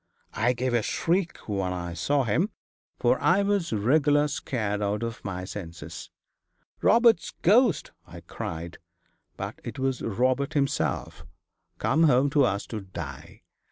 I gave a shriek when I saw him, for I was regular scared out of my senses. "Robert's ghost!" I cried; but it was Robert himself, come home to us to die.